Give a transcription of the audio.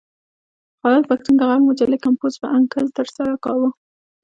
خالد پښتون د غږ مجلې کمپوز په انکل ترسره کاوه.